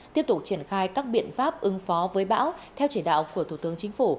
tiếp tục triển khai các biện pháp ứng phó với bão theo chỉ đạo của thủ tướng chính phủ